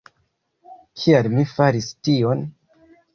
Kial mi faris tion?